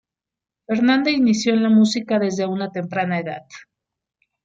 Fernanda inició en la música desde una temprana edad.